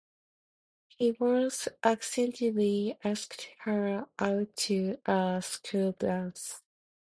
He once accidentally asked her out to a school dance.